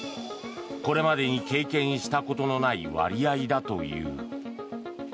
これまでに経験したことのない割合だという。